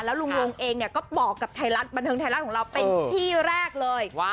แล้วลุงลงเองเนี่ยก็บอกกับบรรเทิงไทยรัฐของเราเป็นที่แรกเลย